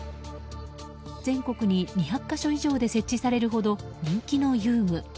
全国に２００か所以上で設置されるほど人気の遊具。